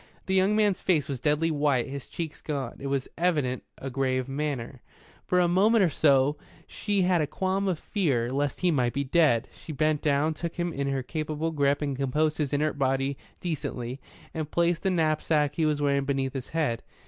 The young man's face was deadly white, his cheeks gaunt. It was evidently a grave matter. For a moment or so she had a qualm of fear lest he might be dead. She bent down, took him in her capable grip and composed his inert body decently, and placed the knapsack he was wearing beneath his head.